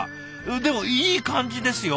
でもいい感じですよ。